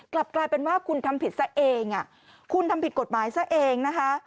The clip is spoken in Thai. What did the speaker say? กลับกลายเป็นว่าคุณทำผิดซะเองคุณทำผิดกฎหมายซะเองนะคะ